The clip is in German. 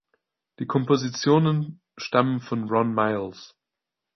Die Kompositionen stammen von Ron Miles.